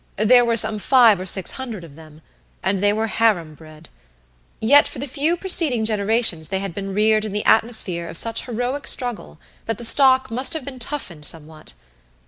There were some five or six hundred of them, and they were harem bred; yet for the few preceding generations they had been reared in the atmosphere of such heroic struggle that the stock must have been toughened somewhat.